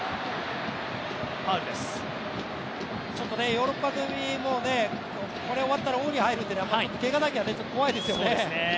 ヨーロッパ組もこれが終わったらオフに入るのでけがだけはやっぱり怖いですよね。